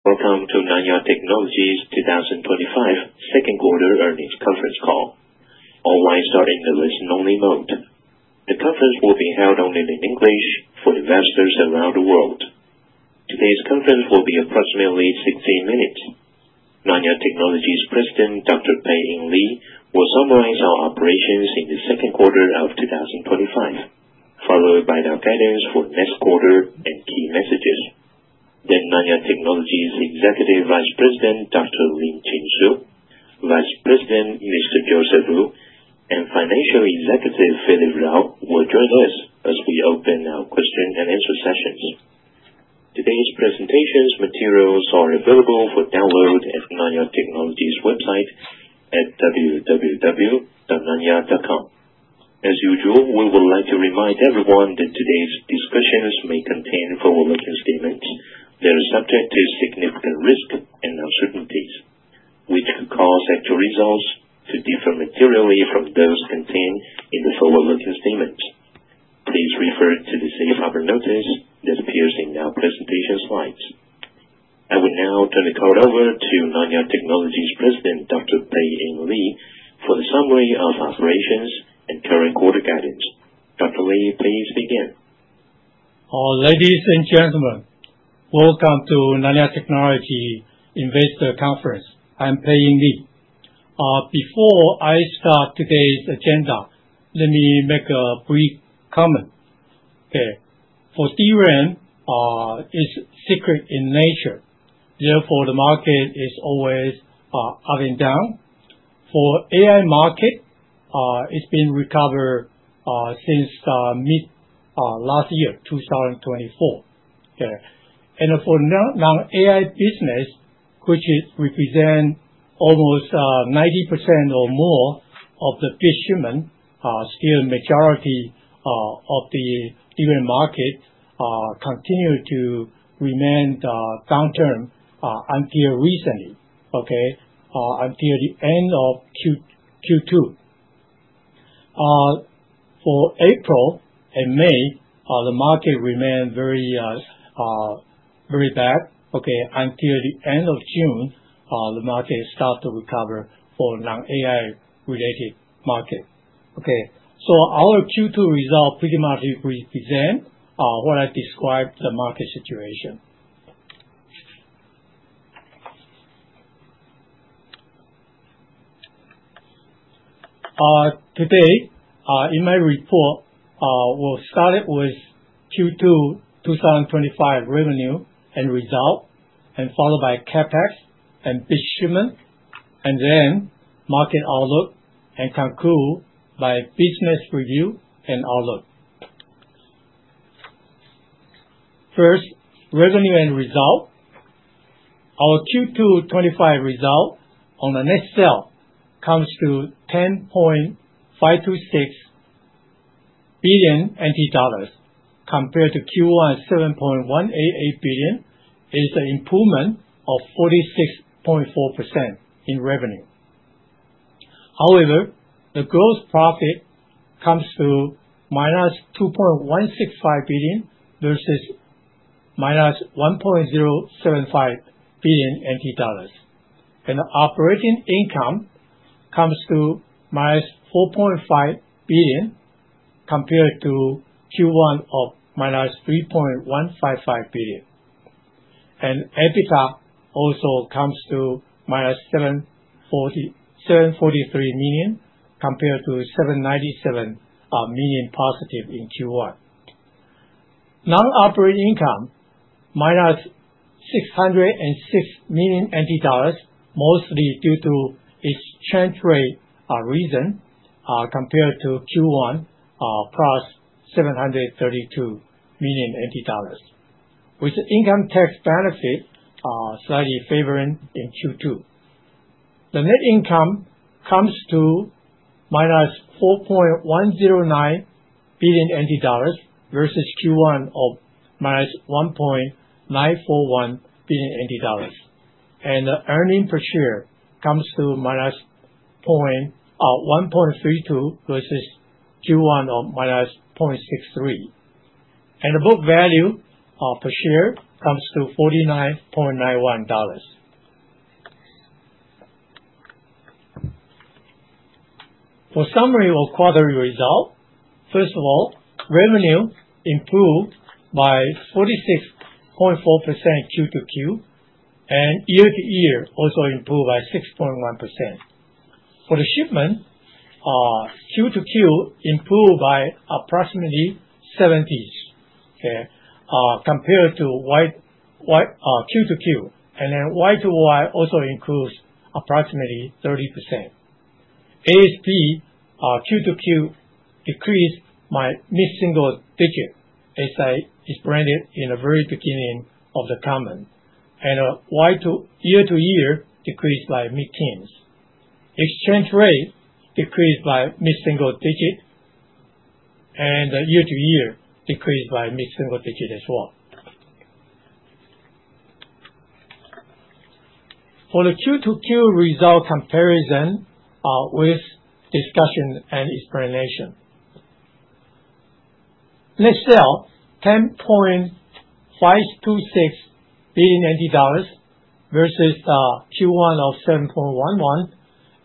Welcome to Nanya Technology's 2025 Second Quarter Earnings Conference Call. All lines are in the listen-only mode. The conference will be held only in English for investors around the world. Today's conference will be approximately 16 minutes. Nanya Technology's President, Dr. Pei-Ing Lee, will summarize our operations in the second quarter of 2025, followed by our guidance for next quarter and key messages. Then Nanya Technology's Executive Vice President, Dr. Lin-Chin Su, Vice President, Mr. Joseph Wu, and Financial Executive, Philip Jao, will join us as we open our question and answer sessions. Today's presentation materials are available for download at Nanya Technology's website at www.nanya.com. As usual, we would like to remind everyone that today's discussions may contain forward-looking statements that are subject to significant risk and uncertainties, which could cause actual results to differ materially from those contained in the forward-looking statements. Please refer to the Safe Harbor notice that appears in our presentation slides. I will now turn the call over to Nanya Technology Corporation's President, Dr. Pei-Ing Lee, for the summary of operations and current quarter guidance. Dr. Lee, please begin. Ladies and gentlemen, welcome to Nanya Technology Investor Conference. I'm Pei-Ing Lee. Before I start today's agenda, let me make a brief comment. For DRAM, it's cyclical in nature. Therefore, the market is always up and down. For AI market, it's been recovered since mid-last year, 2024. For non-AI business, which represents almost 90% or more of the bit shipment, still the majority of the DRAM market continued to remain downturn until recently, until the end of Q2. For April and May, the market remained very bad until the end of June. The market started to recover for non-AI related market. Our Q2 result pretty much represents what I described the market situation. Today, in my report, we'll start with Q2 2025 revenue and result, followed by CapEx and bit shipment, and then market outlook, and conclude by business review and outlook. First, revenue and result. Our Q2 2025 result on the net sale comes to 10.526 billion NT dollars compared to Q1 at 7.188 billion. It is an improvement of 46.4% in revenue. However, the gross profit comes to minus 2.165 billion versus minus 1.075 billion NT dollars. And the operating income comes to minus 4.5 billion compared to Q1 of minus 3.155 billion. And EBITDA also comes to minus 743 million compared to 797 million positive in Q1. Non-operating income minus 606 million NT dollars, mostly due to exchange rate reason compared to Q1 plus 732 million NT dollars, with income tax benefit slightly favoring in Q2. The net income comes to minus 4.109 billion NT dollars versus Q1 of minus 1.941 billion NT dollars. And the earnings per share comes to minus 1.32 versus Q1 of minus 0.63. And the book value per share comes to 49.91 dollars. For summary of quarterly result, first of all, revenue improved by 46.4% QoQ, and year-to-year also improved by 6.1%. For the shipment, QoQ improved by approximately 70% compared to QoQ, and then YoY also increased approximately 30%. ASP QoQ decreased by mid-single digit as I explained it in the very beginning of the comment, and to year-to-year decreased by mid-teens. Exchange rate decreased by mid-single digit, and year-to-year decreased by mid-single digit as well. For the QoQ result comparison with discussion and explanation, net sales 10.526 billion NT dollars versus Q1 of 7.11 billion,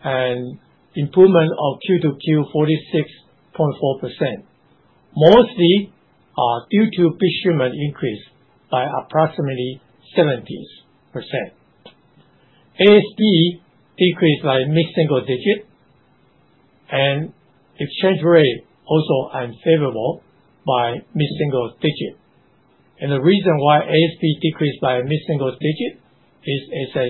and improvement of QoQ 46.4%, mostly due to bit shipment increased by approximately 70%. ASP decreased by mid-single digit, and exchange rate also unfavorable by mid-single digit. The reason why ASP decreased by mid-single digit is as I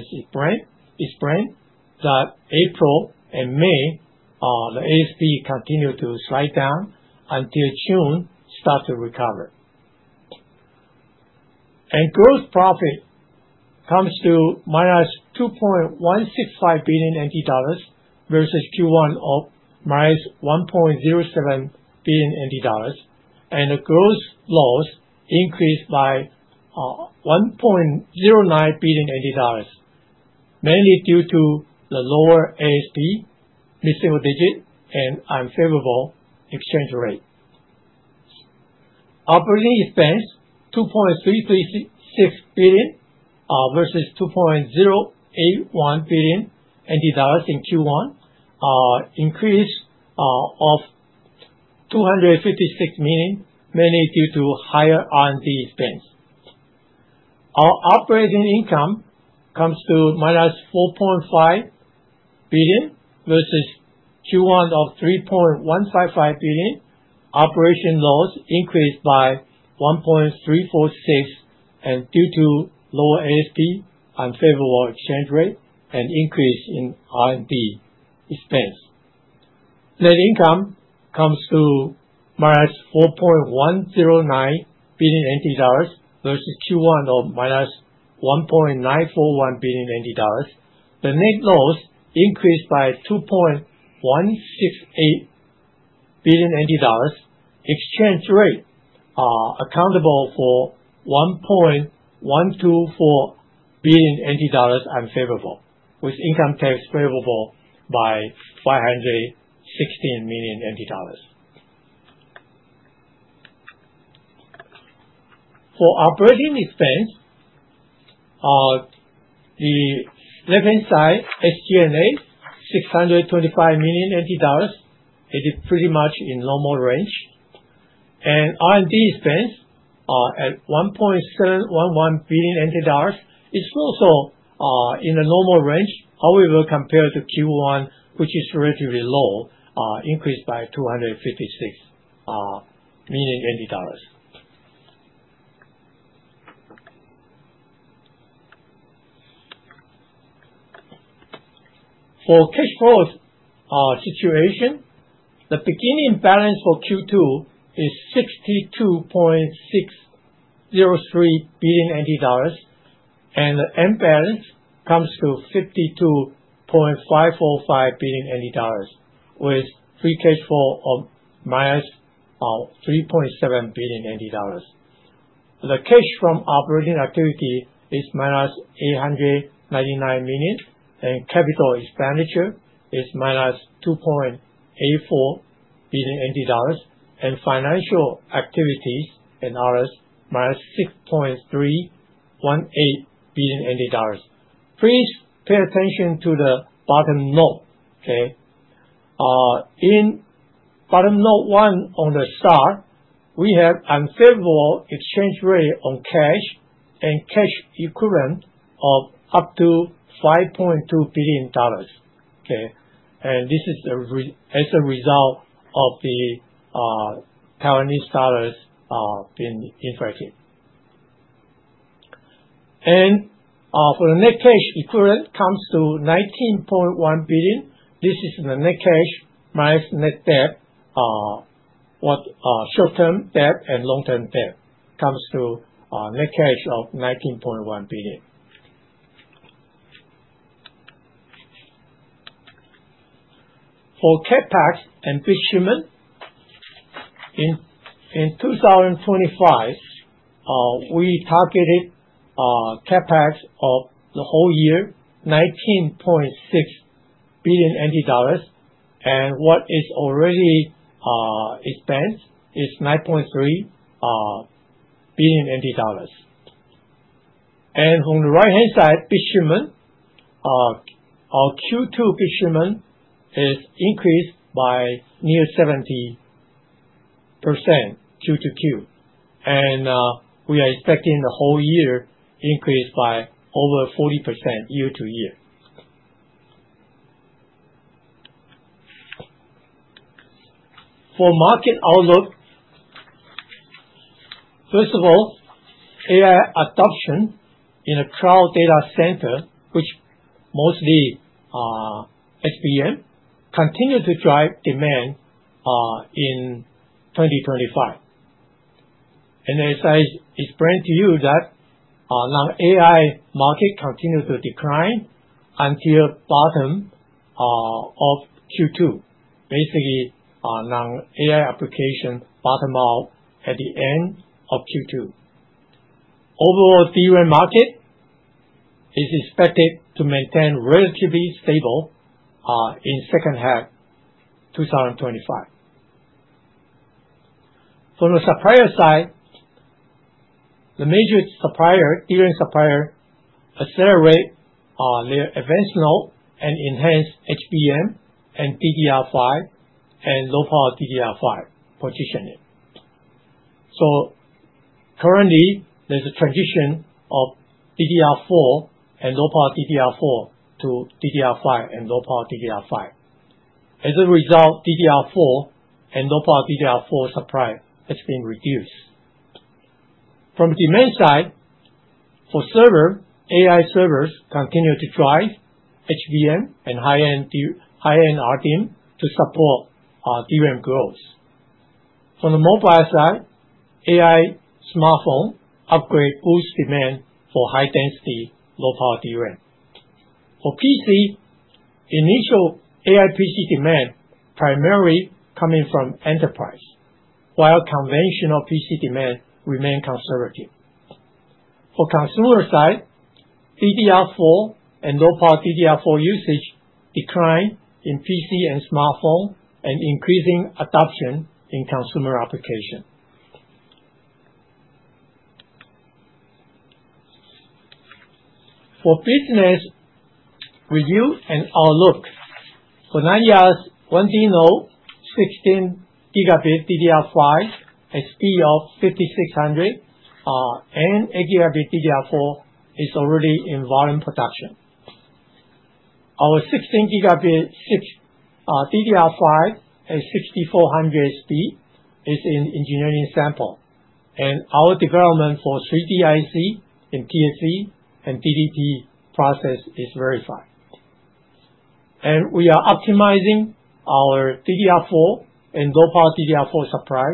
explained that April and May, the ASP continued to slide down until June started to recover. Gross profit comes to minus 2.165 billion NT dollars versus Q1 of minus 1.07 billion NT dollars, and the gross loss increased by 1.09 billion NT dollars, mainly due to the lower ASP mid-single digit and unfavorable exchange rate. Operating expense 2.336 billion versus 2.081 billion NT dollars in Q1 increased of 256 million, mainly due to higher R&D expense. Our operating income comes to minus 4.5 billion versus Q1 of 3.155 billion. Operating loss increased by 1.346 billion, and due to lower ASP, unfavorable exchange rate, and increase in R&D expense. Net income comes to minus 4.109 billion NT dollars versus Q1 of minus 1.941 billion NT dollars. The net loss increased by 2.168 billion NT dollars. Exchange rate accountable for 1.124 billion NT dollars unfavorable, with income tax favorable by 516 million NT dollars. For operating expense, the left-hand side SG&A 625 million NT dollars, it is pretty much in normal range. And R&D expense at 1.711 billion NT dollars is also in the normal range, however, compared to Q1, which is relatively low, increased by 256 million NT dollars. For cash flows situation, the beginning balance for Q2 is 62.603 billion NT dollars, and the end balance comes to 52.545 billion NT dollars, with free cash flow of minus 3.7 billion NT dollars. The cash from operating activity is minus 899 million, and capital expenditure is minus 2.84 billion NT dollars, and financial activities and others minus 6.318 billion NT dollars. Please pay attention to the bottom note. In footnote one at the start, we have unfavorable exchange rate on cash and cash equivalent of up to $5.2 billion. This is as a result of the Taiwanese dollars being inflated. The net cash equivalent comes to 19.1 billion TWD. This is the net cash minus net debt, short-term debt and long-term debt comes to net cash of 19.1 billion TWD. For CapEx and bit shipment, in 2025, we targeted CapEx of the whole year 19.6 billion NT dollars, and what is already spent is 9.3 billion TWD. On the right-hand side, bit shipment, our Q2 bit shipment is increased by near 70% QoQ, and we are expecting the whole year increase by over 40% year-to-year. For market outlook, first of all, AI adoption in a cloud data center, which mostly HBM, continues to drive demand in 2025. As I explained to you that non-AI market continues to decline until bottom of Q2, basically non-AI application bottom out at the end of Q2. Overall, DRAM market is expected to maintain relatively stable in second half 2025. From the supplier side, the major supplier, DRAM supplier, accelerate their advanced node and enhance HBM and DDR5 and low-power DDR5 positioning. So currently, there's a transition of DDR4 and low-power DDR4 to DDR5 and low-power DDR5. As a result, DDR4 and low-power DDR4 supply has been reduced. From demand side, for server, AI servers continue to drive HBM and high-end RDIMM to support DRAM growth. From the mobile side, AI smartphone upgrade boosts demand for high-density low-power DRAM. For PC, initial AI PC demand primarily coming from enterprise, while conventional PC demand remains conservative. For consumer side, DDR4 and low-power DDR4 usage decline in PC and smartphone and increasing adoption in consumer application. For business review and outlook, for Nanya Technology's 1B node 16 gigabit DDR5 at speed of 5600 and 8 gigabit DDR4 is already in volume production. Our 16 gigabit DDR5 at 6400 speed is in engineering sample, and our development for 3D IC and TSV and DDP process is verified, and we are optimizing our DDR4 and low-power DDR4 supply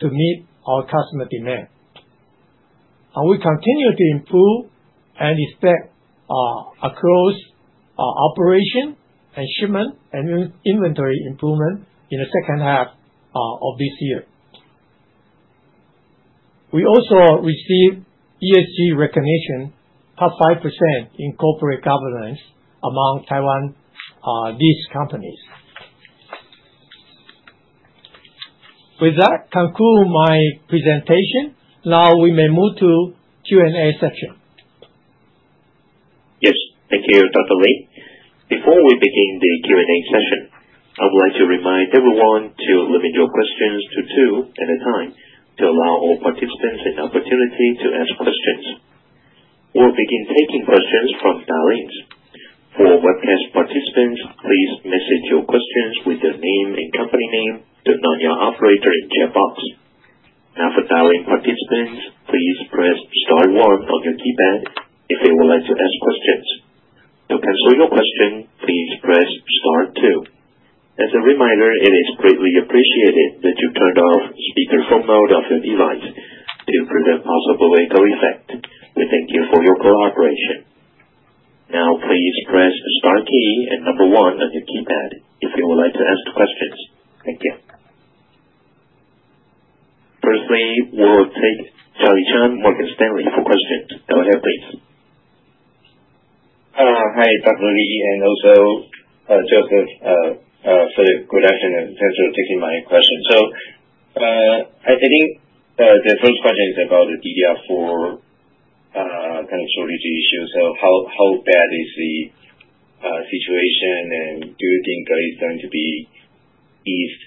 to meet our customer demand. We continue to improve and expect across operation and shipment and inventory improvement in the second half of this year. We also received ESG recognition, top 5% in corporate governance among Taiwan-based companies. With that, conclude my presentation. Now we may move to Q&A section. Yes, thank you, Dr. Lee. Before we begin the Q&A session, I would like to remind everyone to limit your questions to two at a time to allow all participants an opportunity to ask questions. We'll begin taking questions from dial-ins. For webcast participants, please message your questions with your name and company name to Nanya operator in chat box. Now, for dial-in participants, please press star one on your keypad if they would like to ask questions. To cancel your question, please press star two. As a reminder, it is greatly appreciated that you turned off speakerphone mode of your device to prevent possible echo effect. We thank you for your cooperation. Now, please press star key and number one on your keypad if you would like to ask questions. Thank you. Firstly, we'll take Charlie Chan, Morgan Stanley for questions. Go ahead, please. Hi, Dr. Lee, and also Joseph, for the introduction and thanks for taking my question. So I think the first question is about the DDR4 kind of shortage issue. So how bad is the situation, and do you think it's going to be eased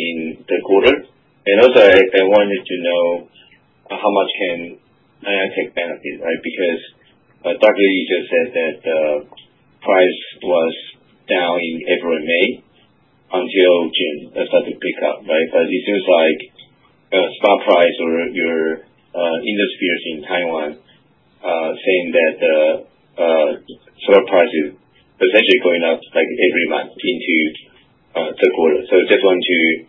in the quarter? And also, I wanted to know how much can Nanya Technology benefit, right? Because Dr. Lee just said that the price was down in April and May until June started to pick up, right? But it seems like spot price or your industry in Taiwan saying that the spot price is essentially going up every month into the quarter. So I just want to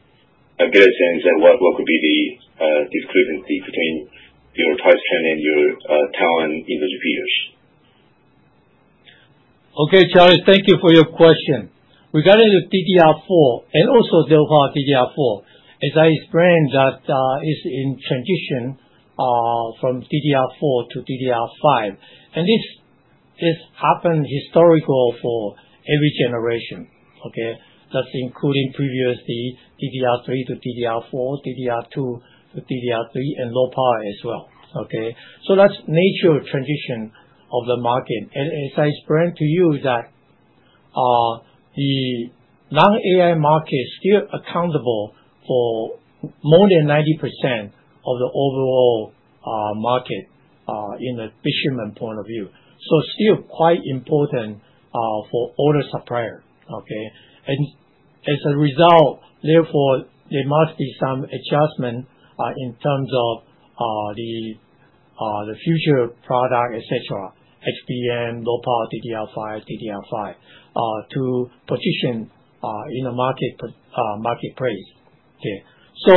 get a sense of what could be the discrepancy between your price trend and your Taiwan industry peers. Okay, Charlie, thank you for your question. Regarding the DDR4 and also low-power DDR4, as I explained, that is in transition from DDR4 to DDR5. And this has happened historically for every generation. Okay? That's including previously DDR3 to DDR4, DDR2 to DDR3, and low power as well. Okay? So that's the nature of transition of the market. And as I explained to you that the non-AI market is still accountable for more than 90% of the overall market in the bit shipment point of view. So still quite important for all the suppliers. Okay? And as a result, therefore there must be some adjustment in terms of the future product, etc., HBM, low-power DDR5, DDR5 to position in the marketplace. Okay? So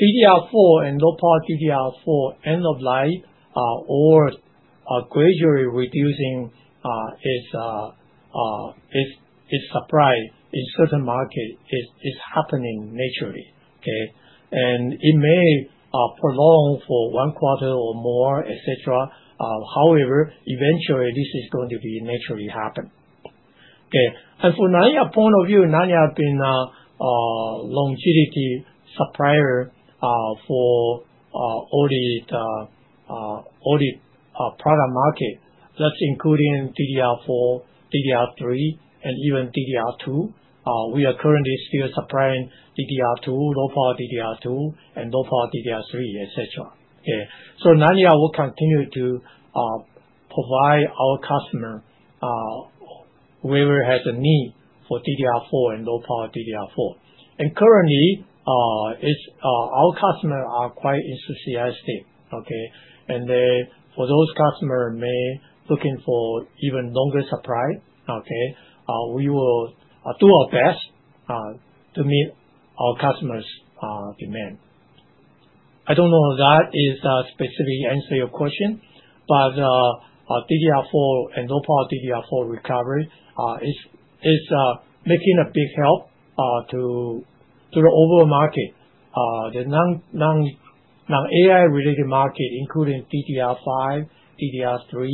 DDR4 and low-power DDR4 end of life or gradually reducing its supply in certain markets is happening naturally. Okay? And it may prolong for one quarter or more, etc. However, eventually, this is going to naturally happen. Okay? And from Nanya's point of view, Nanya has been a longevity supplier for all the product market. That's including DDR4, DDR3, and even DDR2. We are currently still supplying DDR2, low-power DDR2, and low-power DDR3, etc. Okay? So Nanya will continue to provide our customer whoever has a need for DDR4 and low-power DDR4. And currently, our customers are quite enthusiastic. Okay? And then for those customers may be looking for even longer supply. Okay? We will do our best to meet our customers' demand. I don't know if that is a specific answer to your question, but DDR4 and low-power DDR4 recovery is making a big help to the overall market. The non-AI-related market, including DDR5, DDR3,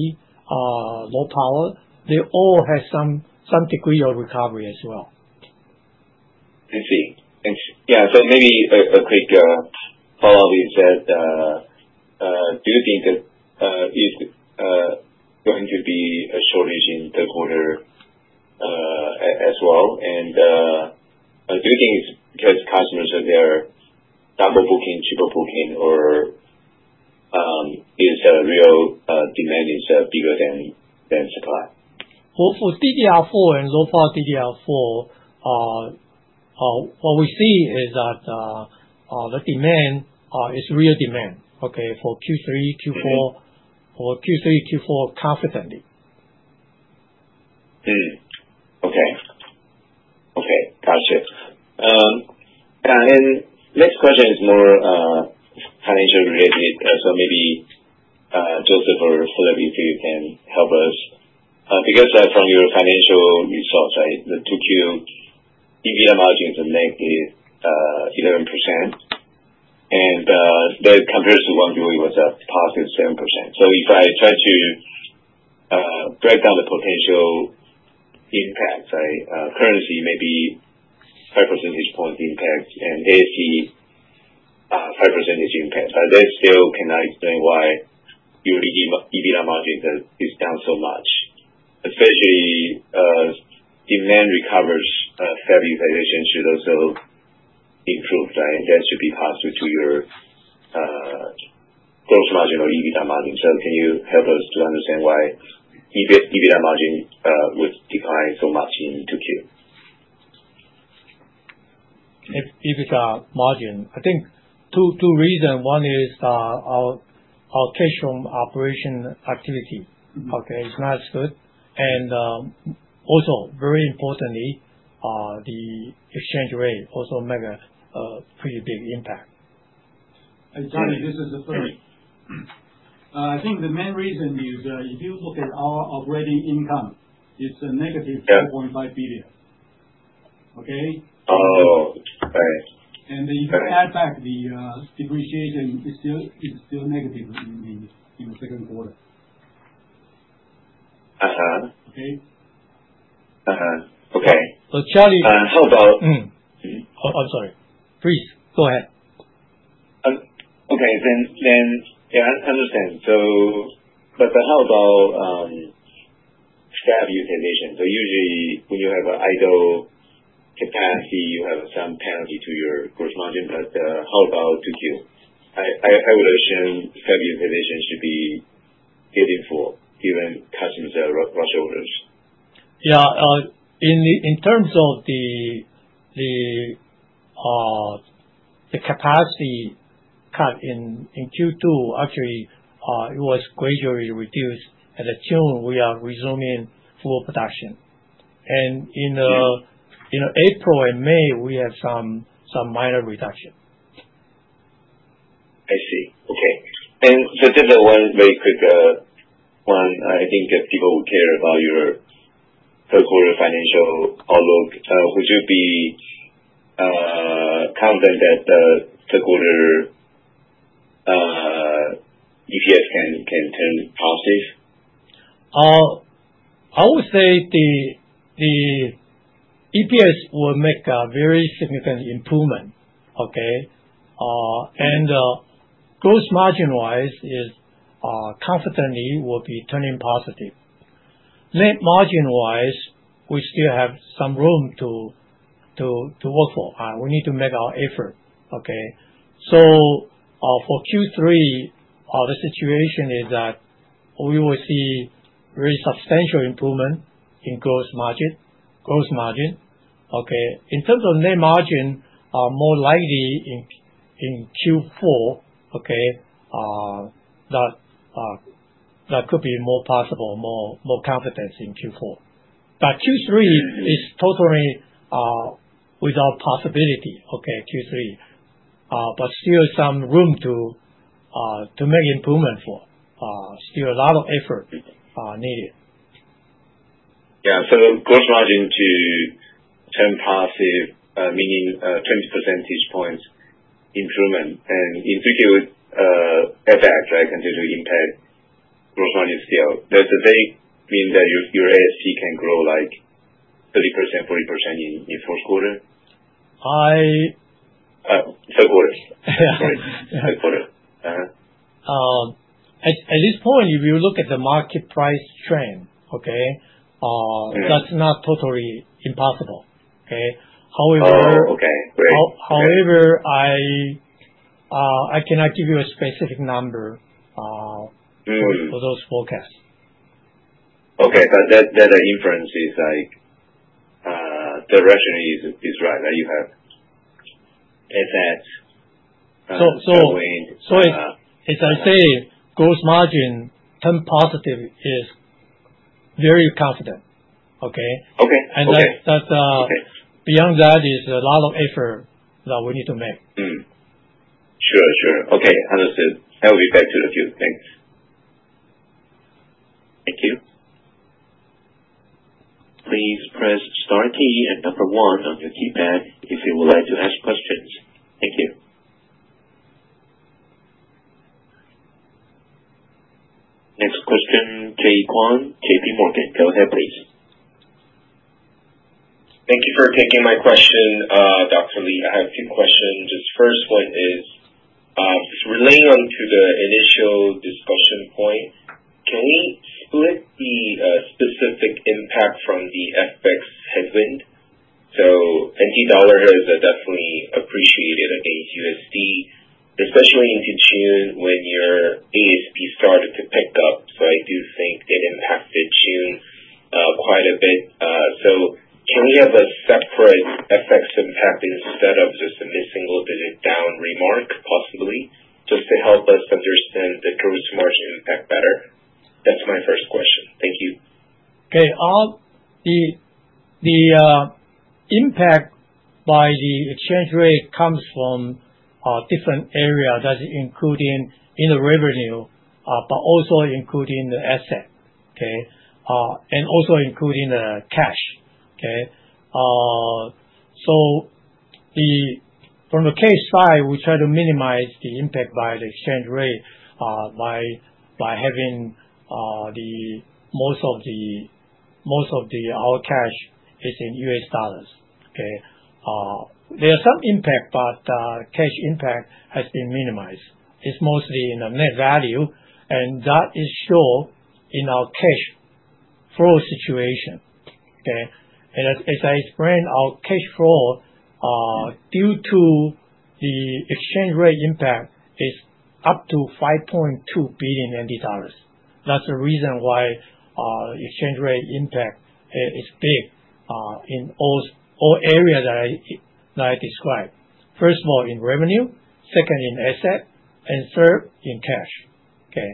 low power, they all have some degree of recovery as well. I see. Yeah. So maybe a quick follow-up is that do you think that it's going to be a shortage in the quarter as well? And do you think it's because customers are there double booking, triple booking, or is the real demand bigger than supply? Well, for DDR4 and low-power DDR4, what we see is that the demand is real demand, okay, for Q3, Q4, for Q3, Q4 confidently. Okay. Okay. Gotcha. And next question is more financial-related. So maybe Joseph or Philip, if you can help us. Because from your financial results, the 2Q EBITDA margin is negative 11%, and that compares to 1Q was a positive 7%. So if I try to break down the potential impacts, currently maybe 5 percentage points impact and ASP 5% impact, but that still cannot explain why your EBITDA margin is down so much. Especially demand recovers, fab utilization should also improve, and that should be positive to your gross margin or EBITDA margin. So can you help us to understand why EBITDA margin was declined so much in 2Q? EBITDA margin, I think two reasons. One is our cash flow operation activity. Okay? It's not as good. And also, very importantly, the exchange rate also made a pretty big impact. Hi, Charlie. This is Philip. I think the main reason is if you look at our operating income, it's -4.5 billion. Okay? And if you add back the depreciation, it's still negative in the second quarter. Okay? Okay. But Charlie, how about I'm sorry. Please go ahead. Okay. Then I understand. But how about fab utilization? So usually when you have an idle capacity, you have some penalty to your gross margin, but how about 2Q? I would assume fab utilization should be getting full, given customers' rush orders. Yeah. In terms of the capacity cut in Q2, actually, it was gradually reduced, and at June, we are resuming full production. And in April and May, we have some minor reduction. I see. Okay. And so just one very quick one. I think people would care about your third-quarter financial outlook. Would you be confident that the third-quarter EPS can turn positive? I would say the EPS will make a very significant improvement. Okay? And gross margin-wise, confidently will be turning positive. Net margin-wise, we still have some room to work for. We need to make our effort. Okay? So for Q3, the situation is that we will see very substantial improvement in gross margin. Okay? In terms of net margin, more likely in Q4, okay, that could be more possible, more confidence in Q4. But Q3 is totally without possibility, okay, Q3. But still some room to make improvement for. Still a lot of effort needed. Yeah. So gross margin to turn positive, meaning 20 percentage points improvement. And in two-Q effect, right, continue to impact gross margin still. Does that mean that your ASP can grow like 30%-40% in the first quarter? Third quarter. Yeah. Third quarter. At this point, if you look at the market price trend, okay, that's not totally impossible. Okay? However. Oh, okay. Great. However, I cannot give you a specific number for those forecasts. Okay. But that inference directionally is right, right? You have effects going. So as I say, gross margin turn positive is very confident. Okay? And beyond that is a lot of effort that we need to make. Sure. Sure. Okay. Understood. I will be back to the queue. Thanks. Thank you. Please press star key and number one on your keypad if you would like to ask questions. Thank you. Next question, Jay Kwon, JP Morgan. Go ahead, please. Thank you for taking my question, Dr. Lee. I have two questions. The first one is, relating to the initial discussion point, can we split the specific impact from the FX headwind? So NT dollar has definitely appreciated against USD, especially into June when your ASP started to pick up. So I do think it impacted June quite a bit. So can we have a separate FX impact instead of just a single-digit down remark, possibly, just to help us understand the gross margin impact better? That's my first question. Thank you. Okay. The impact by the exchange rate comes from different areas, including in the revenue, but also including the asset. Okay? And also including the cash. Okay? So from the cash side, we try to minimize the impact by the exchange rate by having most of our cash is in US dollars. Okay? There is some impact, but cash impact has been minimized. It's mostly in the net value, and that is shown in our cash flow situation. Okay? And as I explained, our cash flow due to the exchange rate impact is up to 5.2 billion NT dollars. That's the reason why exchange rate impact is big in all areas that I described. First of all, in revenue, second in asset, and third in cash. Okay?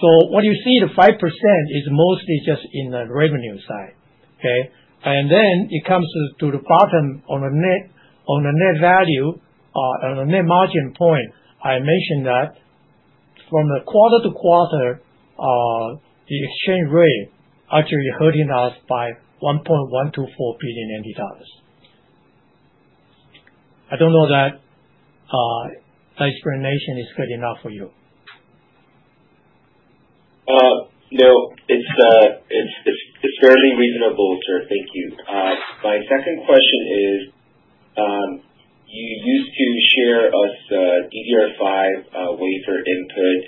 So what you see, the 5% is mostly just in the revenue side. Okay? And then it comes to the bottom on the net value, on the net margin point, I mentioned that from quarter to quarter, the exchange rate actually hurting us by 1.124 billion NT dollars. I don't know that explanation is good enough for you. No, it's fairly reasonable, sir. Thank you. My second question is, you used to share us DDR5 wafer input,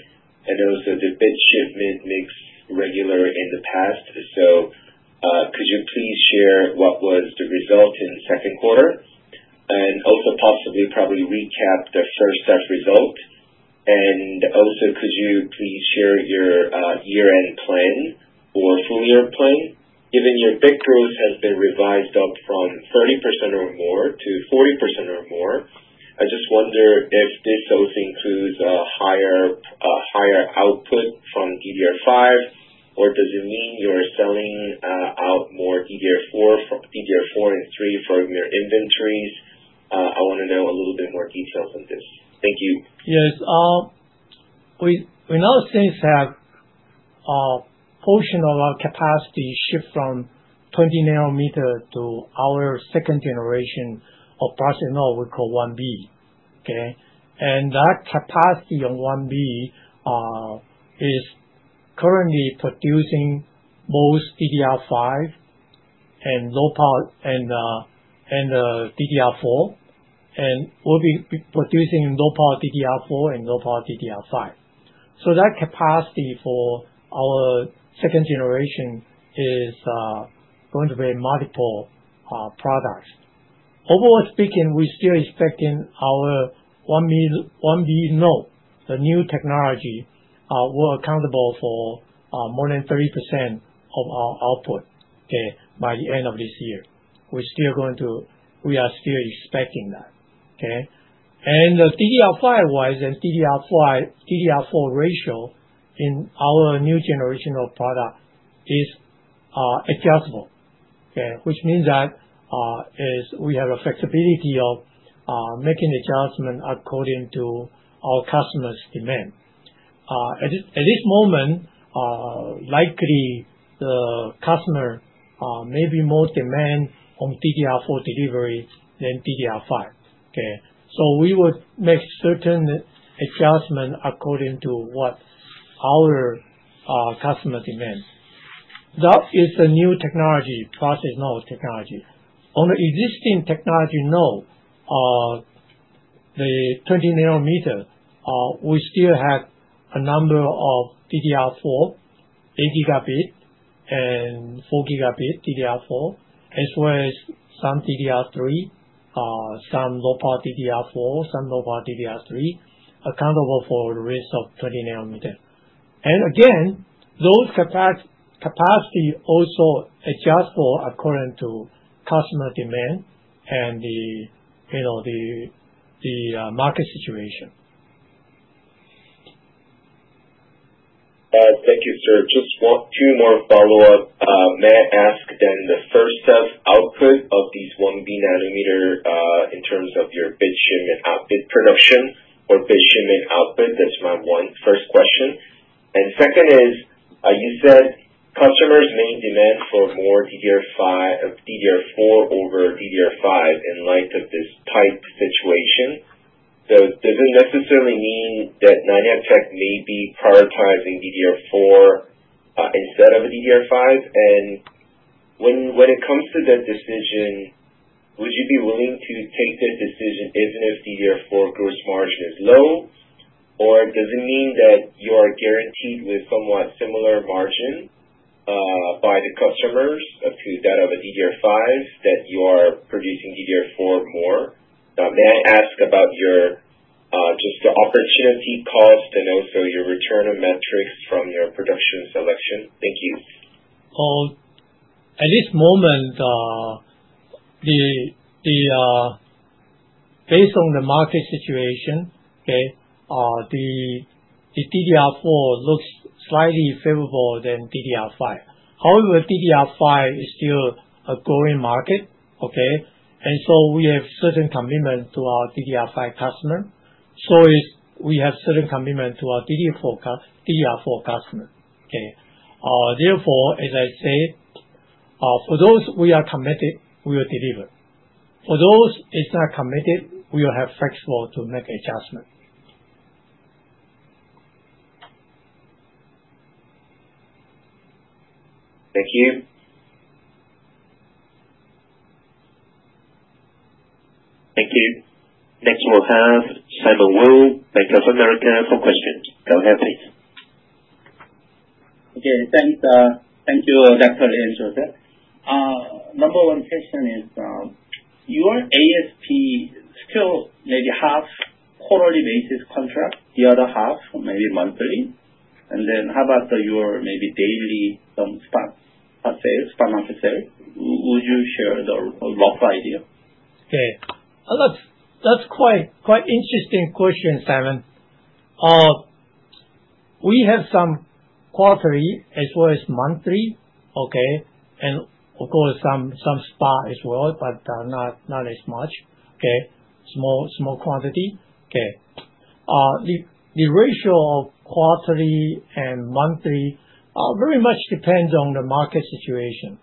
and also the bit shipment mix regularly in the past. So could you please share what was the result in the second quarter? And also possibly probably recap the first-half result. And also, could you please share your year-end plan or full-year plan? Given your bit growth has been revised up from 30% or more to 40% or more, I just wonder if this also includes a higher output from DDR5, or does it mean you're selling out more DDR4 and DDR3 from your inventories? I want to know a little bit more details on this. Thank you. Yes. We now since have a portion of our capacity shipped from 20-nanometer to our second generation of processing node we call 1B. Okay? And that capacity on 1B is currently producing both DDR5 and DDR4, and we'll be producing low-power DDR4 and low-power DDR5. So that capacity for our second generation is going to be multiple products. Overall speaking, we're still expecting our 1B node, the new technology, will account for more than 30% of our output by the end of this year. We're still going to. We are still expecting that. Okay? And the DDR5-wise and DDR4 ratio in our new generation of product is adjustable. Okay? Which means that we have a flexibility of making adjustments according to our customer's demand. At this moment, likely the customer may be more demanding on DDR4 delivery than DDR5. Okay? So we would make certain adjustments according to what our customer demands. That is the new technology, processing node technology. On the existing technology node, the 20 nanometer, we still have a number of DDR4, 8 gigabit, and 4 gigabit DDR4, as well as some DDR3, some low-power DDR4, some low-power DDR3, accounting for the rest of 20 nanometer. And again, those capacities also adjust according to customer demand and the market situation. Thank you, sir. Just two more follow-up. May I ask then the first-half output of these 1B nanometer in terms of your bit shipment output production or bit shipment output? That's my first question. And second is, you said customers may demand for more DDR4 over DDR5 in light of this tight situation. So does it necessarily mean that Nanya Technology may be prioritizing DDR4 instead of DDR5? When it comes to that decision, would you be willing to take that decision even if DDR4 gross margin is low? Or does it mean that you are guaranteed with somewhat similar margin by the customers to that of a DDR5, that you are producing DDR4 more? May I ask about just the opportunity cost and also your return on metrics from your production selection? Thank you. At this moment, based on the market situation, okay, the DDR4 looks slightly favorable than DDR5. However, DDR5 is still a growing market. Okay? And so we have certain commitment to our DDR5 customer. So we have certain commitment to our DDR4 customer. Okay? Therefore, as I said, for those we are committed, we will deliver. For those it's not committed, we will have flexible to make adjustments. Thank you. Thank you. Next we'll have Simon Woo, Bank of America, for questions. Go ahead, please. Okay. Thank you, Dr. Lee, and Joseph. Number one question is, your ASP still maybe half quarterly basis contract, the other half maybe monthly? And then how about your maybe daily spot sales, spot market sales? Would you share the rough idea? Okay. That's quite interesting question, Simon. We have some quarterly as well as monthly. Okay? And of course, some spot as well, but not as much. Okay? Small quantity. Okay. The ratio of quarterly and monthly very much depends on the market situation.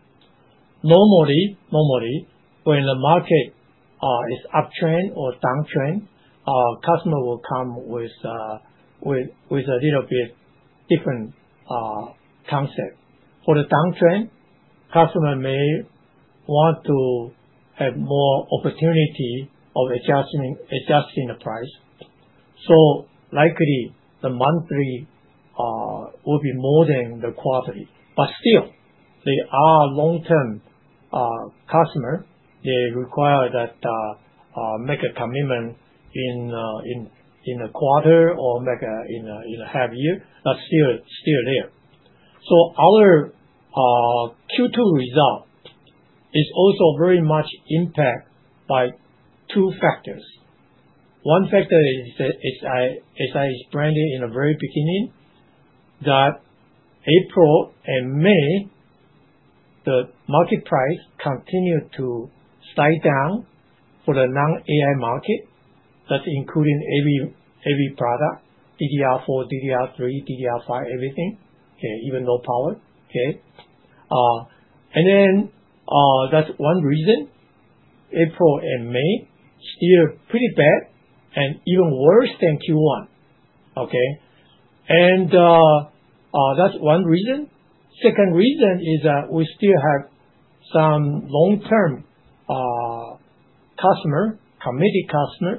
Normally, when the market is uptrend or downtrend, customer will come with a little bit different concept. For the downtrend, customer may want to have more opportunity of adjusting the price. So likely the monthly will be more than the quarterly. But still, they are long-term customer. They require that make a commitment in a quarter or make in a half year. That's still there. So our Q2 result is also very much impacted by two factors. One factor, as I explained in the very beginning, that April and May, the market price continued to slide down for the non-AI market. That's including every product, DDR4, DDR3, DDR5, everything. Okay? Even low-power. Okay? And then that's one reason. April and May, still pretty bad and even worse than Q1. Okay? And that's one reason. Second reason is that we still have some long-term customer, committed customer.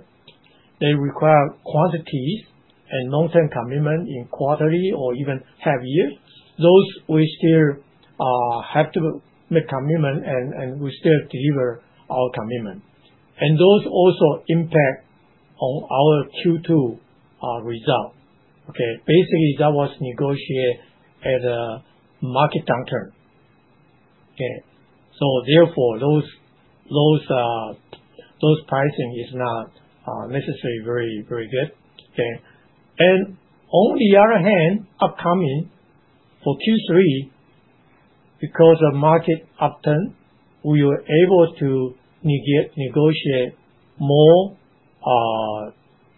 They require quantities and long-term commitment in quarterly or even half year. Those we still have to make commitment and we still deliver our commitment. And those also impact on our Q2 result. Okay? Basically, that was negotiated at a market downturn. Okay? So therefore, those pricing is not necessarily very good. Okay? And on the other hand, upcoming for Q3, because of market upturn, we were able to negotiate more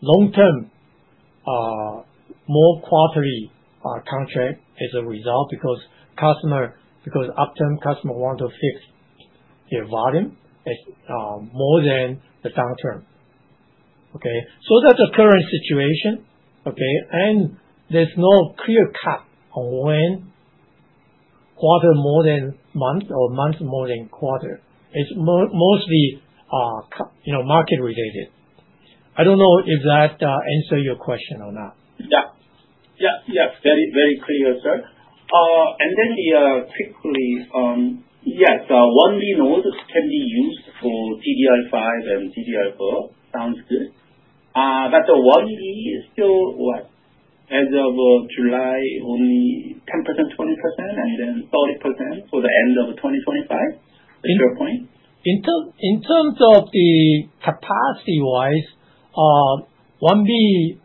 long-term, more quarterly contracts as a result because upturn customers want to fix their volume more than the downturn. Okay? So that's the current situation. Okay? And there's no clear cut on when quarter more than month or month more than quarter. It's mostly market-related. I don't know if that answers your question or not. Yeah. Yeah. Yeah. Very, very clear, sir. And then quickly, yes, 1B nodes can be used for DDR5 and DDR4. Sounds good. But the 1B is still what? As of July, only 10%, 20%, and then 30% for the end of 2025? Is your point? In terms of the capacity-wise, 1B,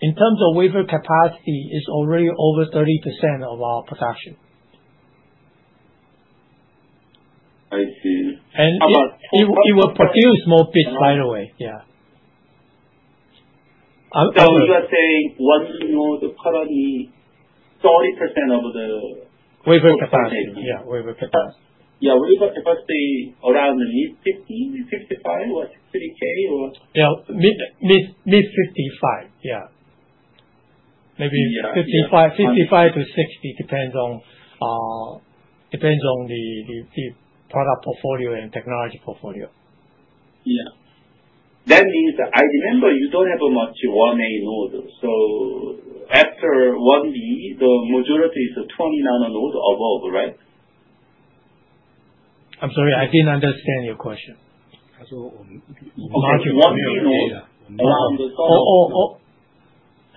in terms of wafer capacity, is already over 30% of our production. I see. How about? It will produce more bits right away. Yeah. So you are saying 1B nodes currently 30% of the wafer capacity? Yeah. Wafer capacity around mid-50, 55, or 60K, or? Yeah. Mid-55. Yeah. Maybe 55 to 60 depends on the product portfolio and technology portfolio. Yeah. That means that I remember you don't have much 1A nodes. So after 1B, the majority is 20nm nodes above, right? I'm sorry. I didn't understand your question. So 1A nodes around the top? Oh. Oh.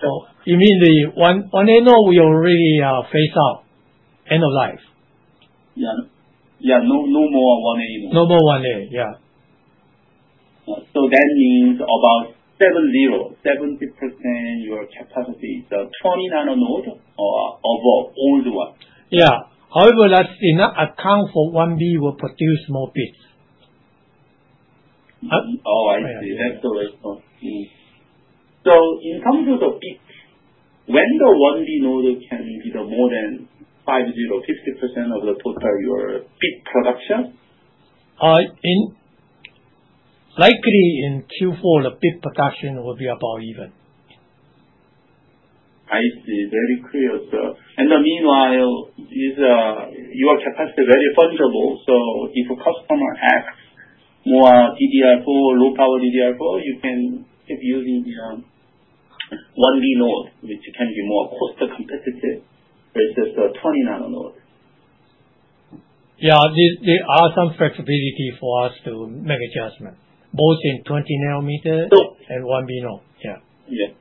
Oh. You mean the 1A nodes we already phased out end of life? Yeah. Yeah. No more 1A nodes. No more 1A. Yeah. So that means about 70, 70% your capacity is 20nm nodes above old one. Yeah. However, that's enough account for 1B will produce more bits. Oh, I see. That's the way it works. So in terms of the bit, when the 1B node can be more than 50-50% of the total your bit production? Likely in Q4, the bit production will be about even. I see. Very clear, sir. And meanwhile, your capacity is very fungible. So if a customer asks more DDR4, low-power DDR4, you can keep using 1B nodes, which can be more cost competitive versus the 20 nanometer nodes. Yeah. There are some flexibility for us to make adjustments, both in 20 nanometer and 1B nodes. Yeah. Yeah.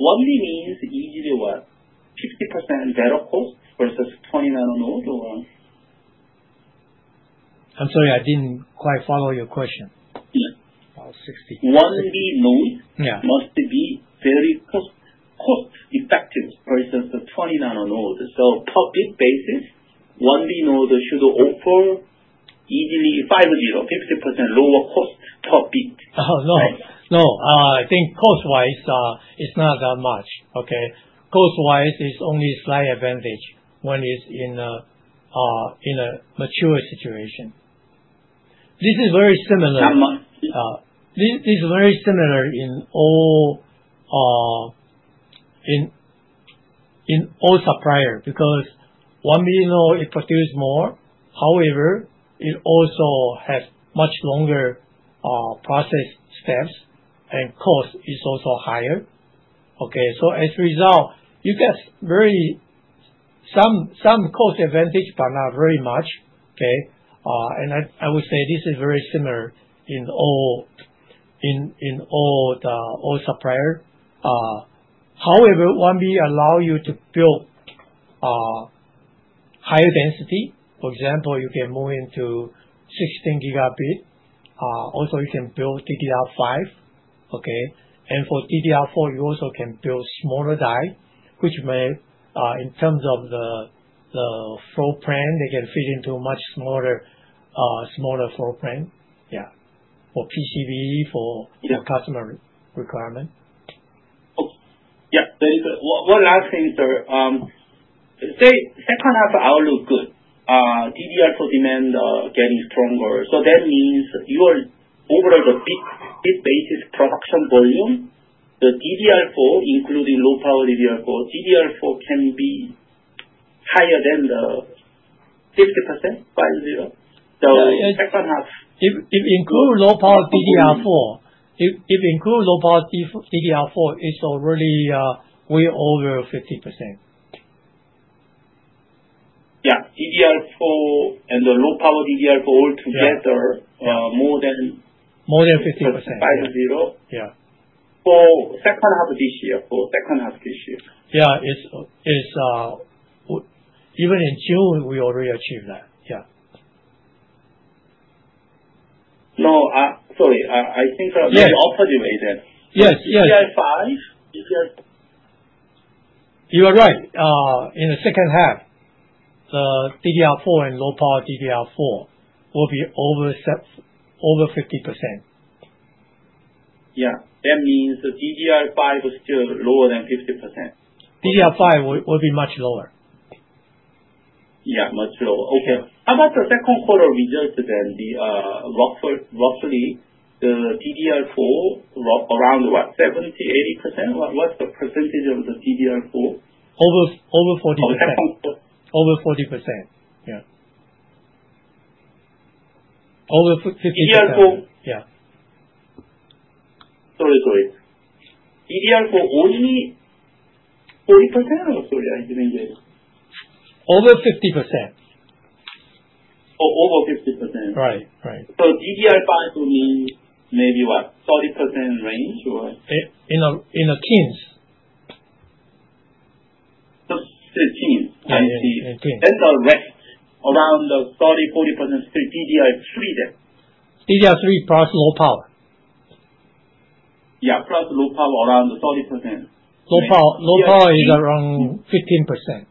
1B means easily what? 50-50% better cost versus 20 nanometer nodes or? I'm sorry. I didn't quite follow your question. About 60%. 1B nodes must be very cost-effective versus the 20 nanometer nodes. So per bit basis, 1B nodes should offer easily 50-50% lower cost per bit. Oh, no. No. I think cost-wise, it's not that much. Okay? Cost-wise, it's only slight advantage when it's in a mature situation. This is very similar. This is very similar in all suppliers because 1B node, it produces more. However, it also has much longer process steps, and cost is also higher. Okay? So as a result, you get some cost advantage, but not very much. Okay? And I would say this is very similar in all suppliers. However, 1B allows you to build higher density. For example, you can move into 16 gigabit. Also, you can build DDR5. Okay? And for DDR4, you also can build smaller die, which may, in terms of the floor plan, they can fit into much smaller floor plan. Yeah. For PCB, for customer requirement. Yeah. Very good. One last thing, sir. Second half outlook good. DDR4 demand getting stronger. So that means your overall bit basis production volume, the DDR4, including low-power DDR4, DDR4 can be higher than the 50%, 50. So second half. If you include low-power DDR4, it's already way over 50%. Yeah. DDR4 and the low-power DDR4 altogether, more than 50%. Yeah. For second half this year. Yeah. Even in June, we already achieved that. Yeah. No. Sorry. I think maybe opposite way then. Yes. Yes. DDR5. DDR4. You are right. In the second half, the DDR4 and low-power DDR4 will be over 50%. Yeah. That means DDR5 is still lower than 50%. DDR5 will be much lower. Yeah. Much lower. Okay. How about the second quarter result then? Roughly, the DDR4, around what? 70-80%? What's the percentage of the DDR4? Over 40%. Yeah. Over 50%. DDR4. Yeah. Sorry, sorry. DDR4 only 40% or sorry, I didn't get it. Over 50%. Oh, over 50%. Right. Right. So DDR5 will be maybe what? 30% range or? In the teens. The teens. I see. In teens. And the rest around 30-40% still DDR3 then. DDR3 plus low power Yeah. Plus low power around 30%. Low power is around 15%. 15%.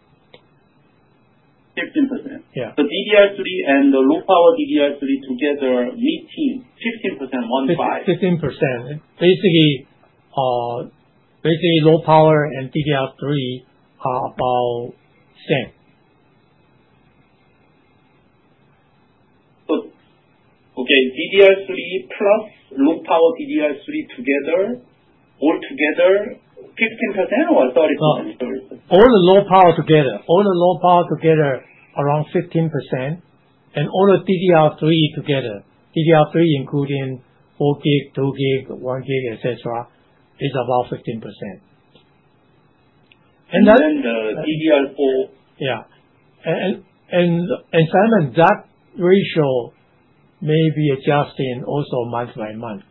Yeah. So DDR3 and the low-power DDR3 together mid-teens, 15%, 15. 15%. Basically, low power and DDR3 are about same. Okay. DDR3 plus low-power DDR3 together, altogether, 15% or 30%? All the low power together. All the low power together around 15%. And all the DDR3 together. DDR3 including 4 gig, 2 gig, 1 gig, etc., is about 15%. And that's. And then the DDR4. Yeah. And Simon, that ratio may be adjusting also month by month.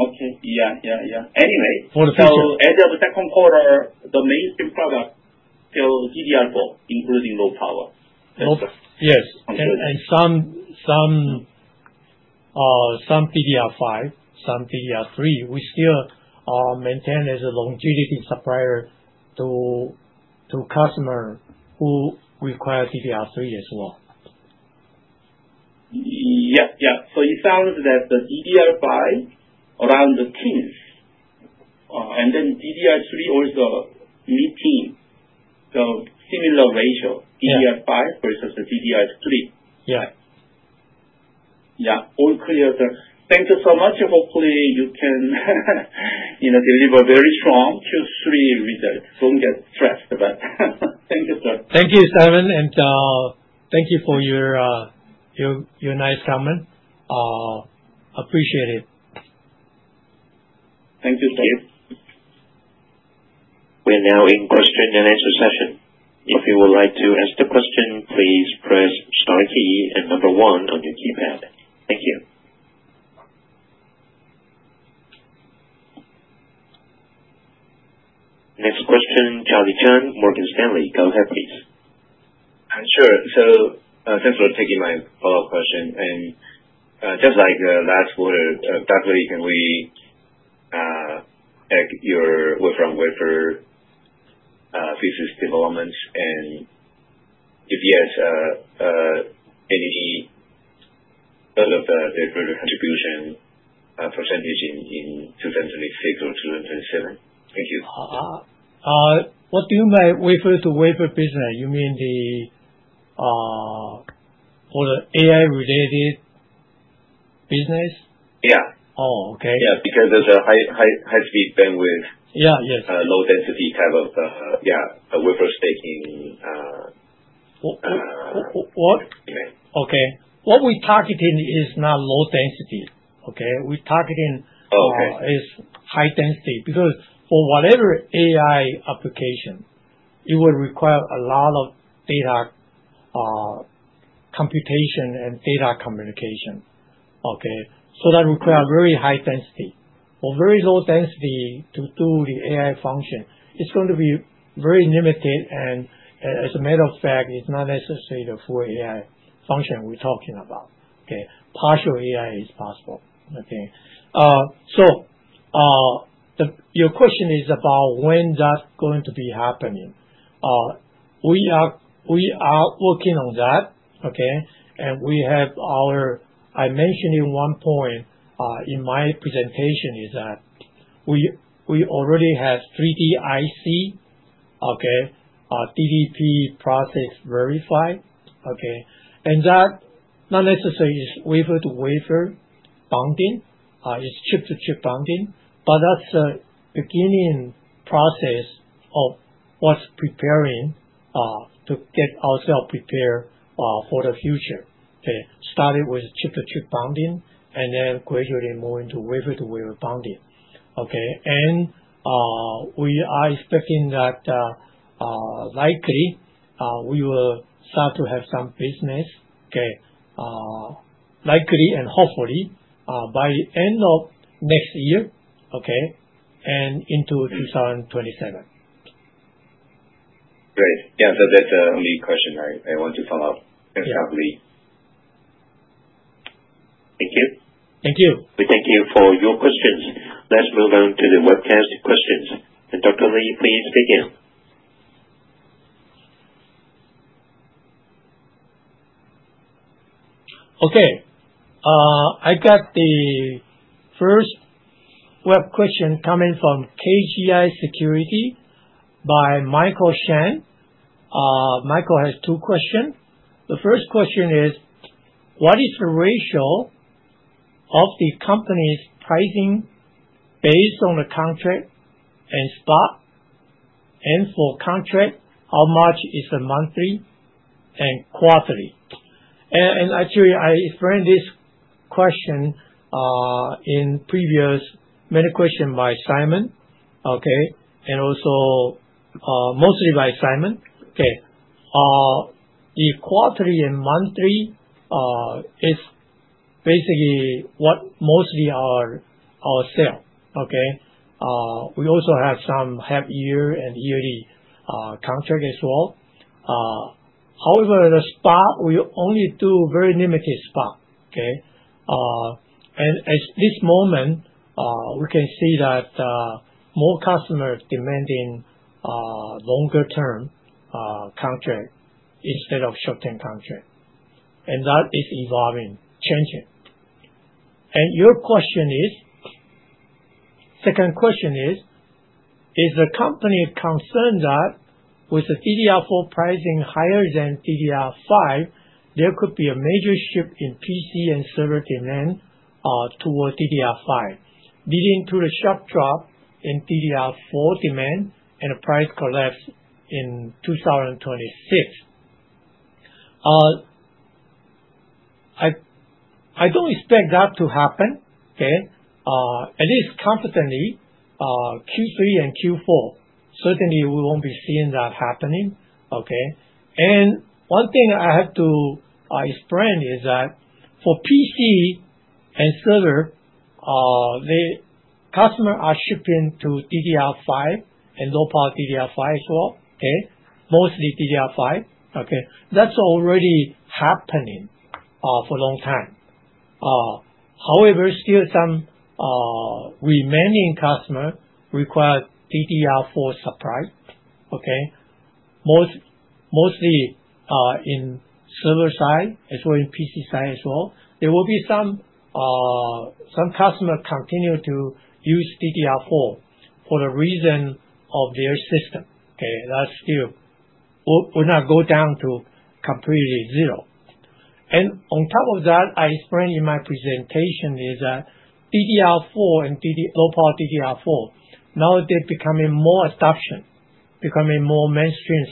Okay. Yeah. Yeah. Yeah. Anyway. For the future. So as of the second quarter, the mainstream product still DDR4, including low power. Yes. And some DDR5, some DDR3, we still maintain as a longevity supplier to customer who require DDR3 as well. Yeah. Yeah. So it sounds that the DDR5 around the teens, and then DDR3 also mid-teens. So similar ratio, DDR5 versus the DDR3. Yeah. Yeah. All clear, sir. Thank you so much. Hopefully, you can deliver very strong Q3 results. Don't get stressed, but thank you, sir. Thank you, Simon. And thank you for your nice comment. Appreciate it. Thank you, sir. We're now in question and answer session. If you would like to ask the question, please press star key and number one on your keypad. Thank you. Next question, Charlie Chan, Morgan Stanley. Go ahead, please. Sure. So thanks for taking my follow-up question. And just like the last quarter, definitely can we take your wafer and wafer these developments? And if yes, any of the contribution percentage in 2026 or 2027? Thank you. What do you mean by wafer to wafer business? You mean for the AI-related business? Yeah. Oh, okay. Yeah. Because there's a high-speed bandwidth. Yeah. Yes. Low-density type of, yeah, wafer stacking. What? Demand. Okay. What we're targeting is not low-density. Okay? We're targeting is high-density because for whatever AI application, it will require a lot of data computation and data communication. Okay? So that requires very high-density. For very low-density to do the AI function, it's going to be very limited. And as a matter of fact, it's not necessarily the full AI function we're talking about. Okay? Partial AI is possible. Okay? So your question is about when that's going to be happening. We are working on that. Okay? And as I mentioned in one point in my presentation is that we already have 3D IC, okay, DDP process verified. Okay? And that not necessarily is wafer-to-wafer bonding. It's chip-to-chip bonding. But that's the beginning process of what's preparing to get ourselves prepared for the future. Okay? Started with chip-to-chip bonding and then gradually moving to wafer-to-wafer bonding. Okay? And we are expecting that likely we will start to have some business, okay, likely and hopefully by the end of next year, okay, and into 2027. Great. Yeah. So that's the only question I want to follow up. Thanks, Dr. Lee. Thank you. Thank you. We thank you for your questions. Let's move on to the webcast questions. And Dr. Lee, please begin. Okay. I got the first web question coming from KGI Securities by Michael Shen. Michael has two questions. The first question is, what is the ratio of the company's pricing based on the contract and spot? And for contract, how much is the monthly and quarterly? And actually, I explained this question in previous many questions by Simon, okay, and also mostly by Simon. Okay. The quarterly and monthly is basically what mostly our sale. Okay? We also have some half-year and yearly contract as well. However, the spot, we only do very limited spot. Okay? And at this moment, we can see that more customers demanding longer-term contract instead of short-term contract. And that is evolving, changing. And your question is, second question is, is the company concerned that with the DDR4 pricing higher than DDR5, there could be a major shift in PC and server demand towards DDR5 leading to the sharp drop in DDR4 demand and the price collapse in 2026? I don't expect that to happen. Okay? At least confidently, Q3 and Q4, certainly we won't be seeing that happening. Okay? And one thing I have to explain is that for PC and server, the customer are shipping to DDR5 and low-power DDR5 as well. Okay? Mostly DDR5. Okay? That's already happening for a long time. However, still some remaining customer require DDR4 supply. Okay? Mostly in server side as well as in PC side as well. There will be some customer continue to use DDR4 for the reason of their system. Okay? That's still will not go down to completely zero. And on top of that, I explained in my presentation is that DDR4 and low-power DDR4, now they're becoming more adoption, becoming more mainstream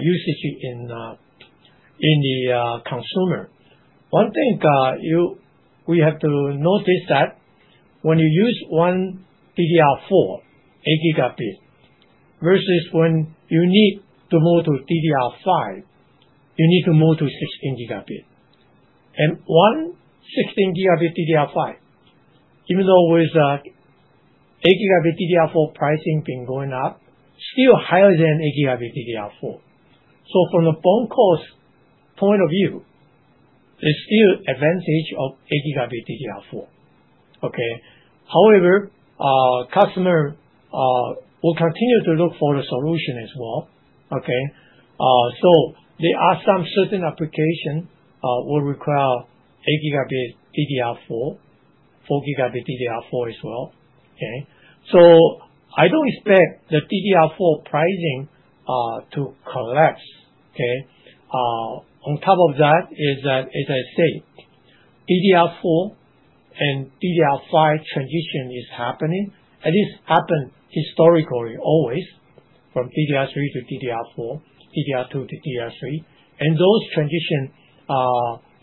usage in the consumer. One thing we have to notice that when you use one DDR4 8-gigabit versus when you need to move to DDR5, you need to move to 16-gigabit, and one 16-gigabit DDR5, even though with 8-gigabit DDR4 pricing being going up, still higher than 8-gigabit DDR4, so from the BOM cost point of view, there's still advantage of 8-gigabit DDR4. Okay? However, customer will continue to look for the solution as well. Okay? So there are some certain applications will require 8-gigabit DDR4, 4-gigabit DDR4 as well. Okay? So I don't expect the DDR4 pricing to collapse. Okay? On top of that is that, as I say, DDR4 and DDR5 transition is happening. It has happened historically always from DDR3 to DDR4, DDR2 to DDR3, and those transition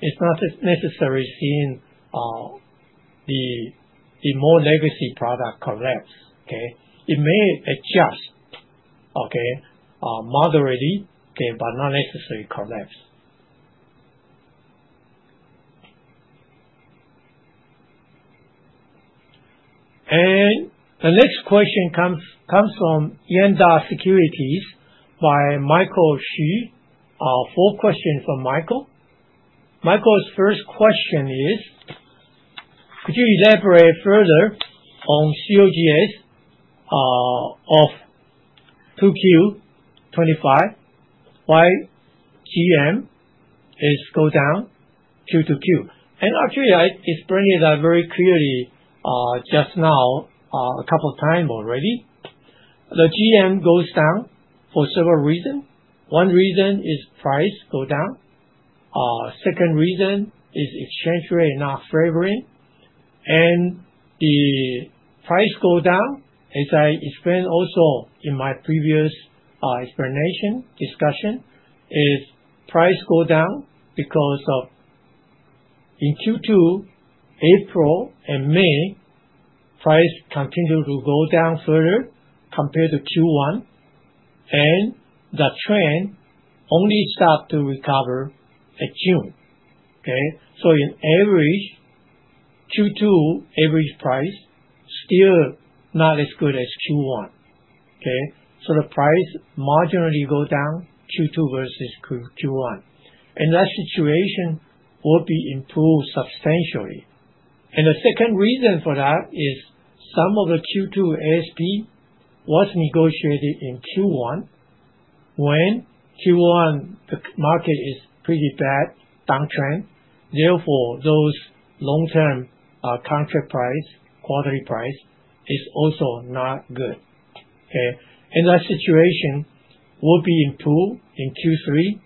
is not necessarily seeing the more legacy product collapse. Okay? It may adjust, okay, moderately, okay, but not necessarily collapse. And the next question comes from Yuanta Securities by Michael Hsu. Four questions from Michael. Michael's first question is, could you elaborate further on COGS of 2Q25? Why GM is go down due to Q? And actually, I explained it very clearly just now a couple of times already. The GM goes down for several reasons. One reason is price go down. Second reason is exchange rate not favoring. And the price go down, as I explained also in my previous explanation discussion, is price go down because of in Q2, April and May, price continued to go down further compared to Q1. And the trend only start to recover at June. Okay? So in average, Q2 average price still not as good as Q1. Okay? So the price marginally go down Q2 versus Q1. And that situation will be improved substantially. And the second reason for that is some of the Q2 ASP was negotiated in Q1 when Q1, the market is pretty bad, downtrend. Therefore, those long-term contract price, quarterly price is also not good. Okay? And that situation will be improved in Q3.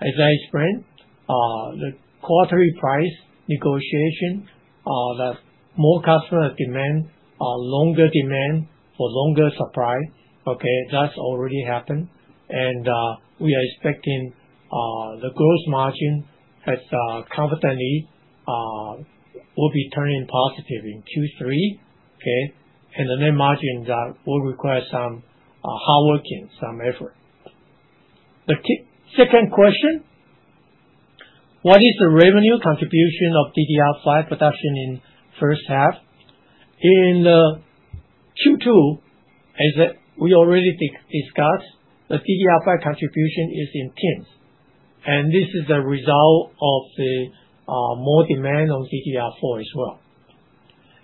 As I explained, the quarterly price negotiation, the more customer demand, longer demand for longer supply. Okay? That's already happened. And we are expecting the gross margin has confidently will be turning positive in Q3. Okay? And the net margin that will require some hard working, some effort. The second question, what is the revenue contribution of DDR5 production in first half? In Q2, as we already discussed, the DDR5 contribution is in teens. And this is the result of the more demand on DDR4 as well.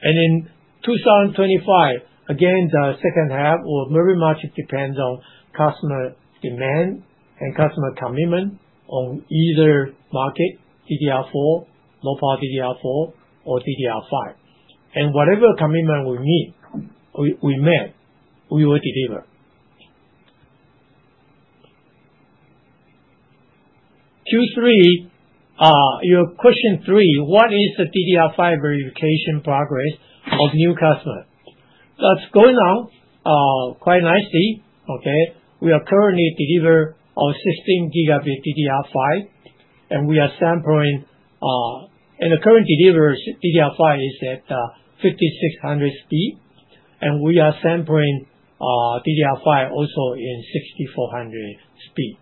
In 2025, again, the second half will very much depend on customer demand and customer commitment on either market, DDR4, low-power DDR4, or DDR5. Whatever commitment we meet, we met, we will deliver. Q3, your question three, what is the DDR5 verification progress of new customer? That's going on quite nicely. Okay? We are currently deliver our 16 gigabit DDR5. We are sampling, and the current delivery of DDR5 is at 5600 speed. We are sampling DDR5 also in 6400 speed.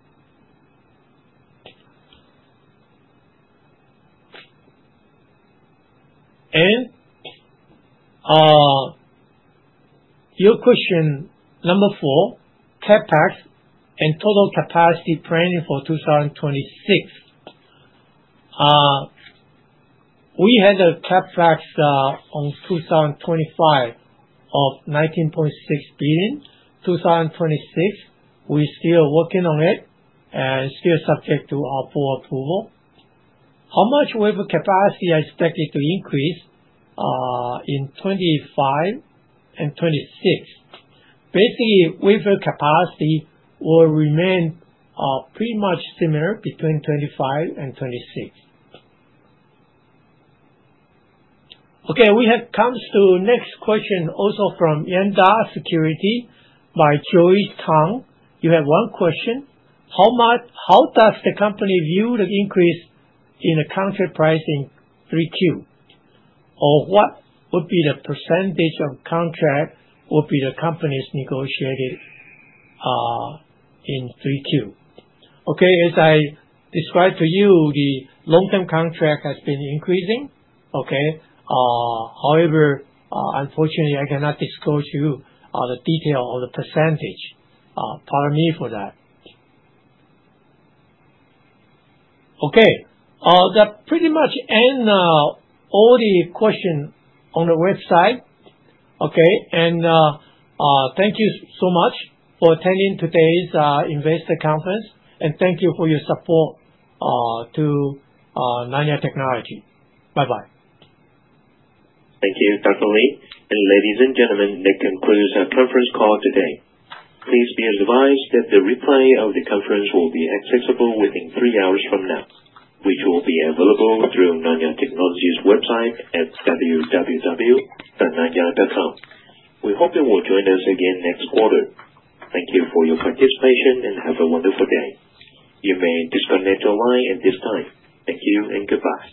Your question number four, CapEx and total capacity planning for 2026. We had a CapEx on 2025 of 19.6 billion. 2026, we're still working on it and still subject to our full approval. How much wafer capacity are expected to increase in 2025 and 2026? Basically, wafer capacity will remain pretty much similar between 2025 and 2026. Okay. We have come to the next question also from Yuanta Securities by Joyce Tang. You have one question. How does the company view the increase in the contract price in 3Q? Or what would be the percentage of contract would be the company's negotiated in 3Q? Okay. As I described to you, the long-term contract has been increasing. Okay? However, unfortunately, I cannot disclose to you the detail of the percentage. Pardon me for that. Okay. That pretty much ends all the questions on the website. Okay? And thank you so much for attending today's investor conference. And thank you for your support to Nanya Technology. Bye-bye. Thank you, Dr. Lee. And ladies and gentlemen, that concludes our conference call today. Please be advised that the replay of the conference will be accessible within three hours from now, which will be available through Nanya Technology's website at www.nanya.com. We hope you will join us again next quarter. Thank you for your participation and have a wonderful day. You may disconnect online at this time. Thank you and goodbye.